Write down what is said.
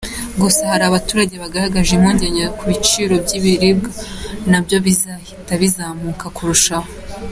Gusa hari abaturage bagaragaje impungenge ko ibiciro by’ibiribwa nabyo bizahita bizamuka kurushaho.